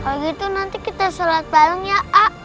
kalau gitu nanti kita sholat bareng ya a